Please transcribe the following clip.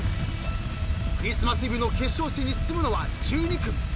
［クリスマスイブの決勝戦に進むのは１２組］